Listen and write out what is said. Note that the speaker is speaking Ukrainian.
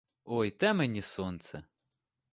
Ой, те мені сонце!